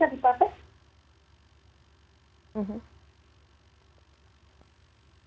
ya jadi itu bisa diberikan